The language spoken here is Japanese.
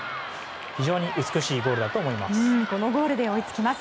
非常に美しいゴールだと思います。